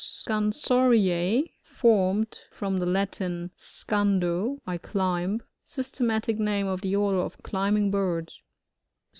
SoANsoRTA' — Formed from the Latin, seandoj I climb. Systematic name of the order of climbing birds.